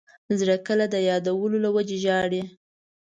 زړه کله د یادونو له وجې ژاړي.